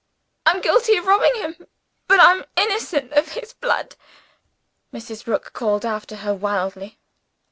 "I'm guilty of robbing him; but I'm innocent of his blood!" Mrs. Rook called after her wildly.